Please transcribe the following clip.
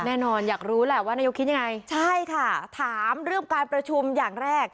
แน่นอนอยากรู้แหละว่านายกคิดยังไงใช่ค่ะถามเรื่องการประชุมอย่างแรก